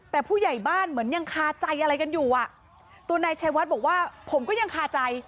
แต่ผู้ใหญ่บ้านเหมือนยังคาใจอะไรกันอยู่อ่ะตัวนายชัยวัดบอกว่าผมก็ยังคาใจ